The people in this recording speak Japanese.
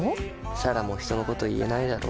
彩良も人のこと言えないだろ。